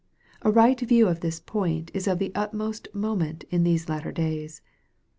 A right view of this point is of the utmost moment in these latter days.